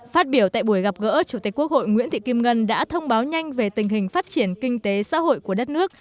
phát biểu tại buổi gặp gỡ chủ tịch quốc hội nguyễn thị kim ngân đã thông báo nhanh về tình hình phát triển kinh tế xã hội của đất nước